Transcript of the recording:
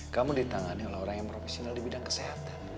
kamu ditangani oleh orang yang profesional di bidang kesehatan